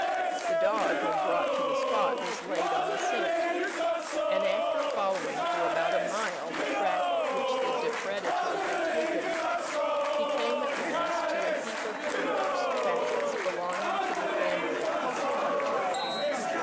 The dog, when brought to the spot, was laid on the scent; and after following for about a mile the track which the depredator had taken, he came at last to a heap of furze fagots belonging to the family of a cottager.